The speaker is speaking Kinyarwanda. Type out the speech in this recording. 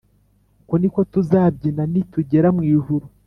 uku niko tuzabyina nitugera mw’ijuru